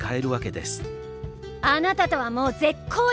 あなたとはもう絶交よ！